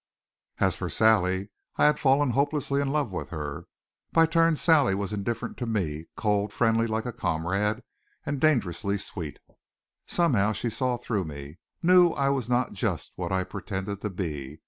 As for Sally, I had fallen hopelessly in love with her. By turns Sally was indifferent to me, cold, friendly like a comrade, and dangerously sweet. Somehow she saw through me, knew I was not just what I pretended to be.